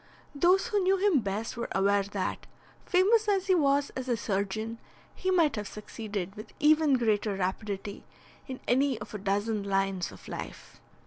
Those who knew him best were aware that, famous as he was as a surgeon, he might have succeeded with even greater rapidity in any of a dozen lines of life.